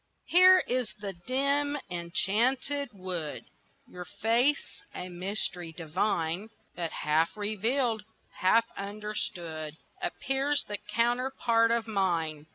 HERE is the dim enchanted wood Your face, a mystery divine, But half revealed, half understood, Appears the counterpart of mine.